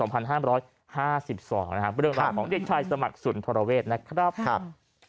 เป็นเรื่องราวของเรียกชัยสมัครศุนย์ธรเวชนะครับ